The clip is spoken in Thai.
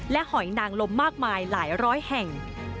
หอยนางลมมากมายหลายร้อยแห่ง